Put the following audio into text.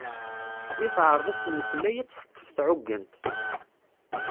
Mi teɛreḍ ad temmeslay ad tt-teṭṭef tɛuggent.